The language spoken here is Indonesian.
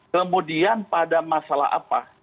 kemudian pada masalah apa